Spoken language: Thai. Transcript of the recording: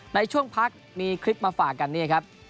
ในช่วงพักมีคลิปมาฝากกันเนี่ยครับ